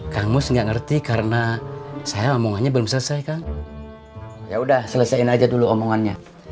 kamu sih nggak ngerti karena saya omongannya belum selesai kang ya udah selesaiin aja dulu omongannya